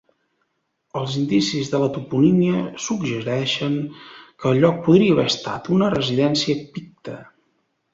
Els indicis de la toponímia suggereixen que el lloc podria haver estat una residència picta.